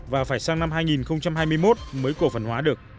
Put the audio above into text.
và phải sang năm hai nghìn hai mươi một mới cổ phần hóa được